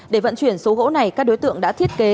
để vận chuyển số gỗ này các đối tượng đã thiết kế